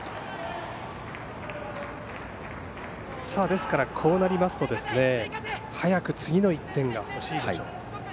ですから、こうなりますと早く次の１点が欲しいでしょう。